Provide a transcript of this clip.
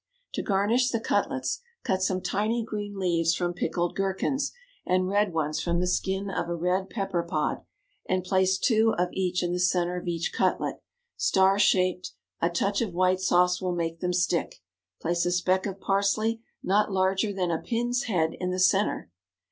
To garnish the cutlets, cut some tiny green leaves from pickled gherkins, and red ones from the skin of a red pepper pod, and place two of each in the centre of each cutlet, star shaped; a touch of white sauce will make them stick; place a speck of parsley not larger than a pin's head in the centre.